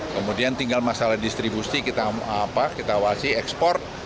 kemudian tinggal masalah distribusi kita awasi ekspor